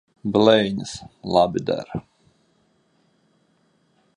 Blēņas! Labi der.